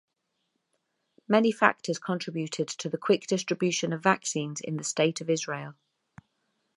Many factors contributed to the quick distribution of vaccines in the state of Israel.